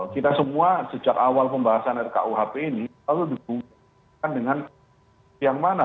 kita semua sejak awal pembahasan rkuap ini lalu dibuka dengan yang mana